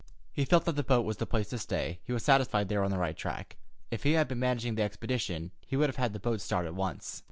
He felt that the boat was the place to stay. He was satisfied they were on the right track. If he had been managing the expedition, he would have had the boat start at once.